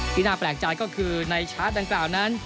ที่น่าแปลกใจก็คือในชาร์จดังกล่าวนั้น